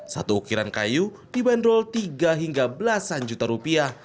satu ukiran kayu dibanderol tiga hingga belasan juta rupiah